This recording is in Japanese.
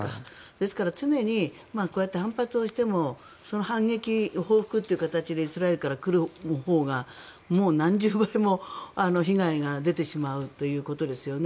ですから常にこうやって反発してもその反撃、報復という形でイスラエルから来るほうが何十倍も被害が出てしまうということですよね。